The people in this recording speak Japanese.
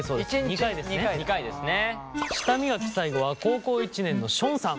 舌磨き最後は高校１年のションさん。